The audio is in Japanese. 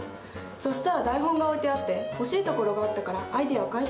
そしたら台本が置いてあって惜しいところがあったからアイデアを書いといたわ。